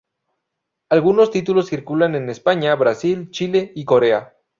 Algunos títulos circulan en España, Brasil, Chile y Corea.